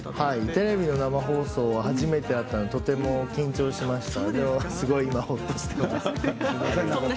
テレビの生放送初めてだったのでとても緊張しました。